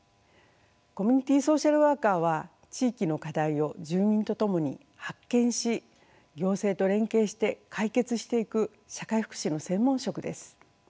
コミュニティソーシャルワーカーは地域の課題を住民と共に発見し行政と連携して解決していく社会福祉の専門職です。